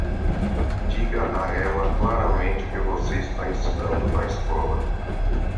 Diga a ela claramente o que você está ensinando na escola.